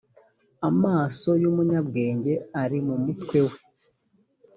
amaso y umunyabwenge ari mu mutwe we